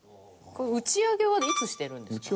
打ち上げはいつしてるんですか？